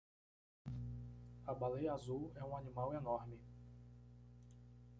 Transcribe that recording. A baleia azul é um animal enorme.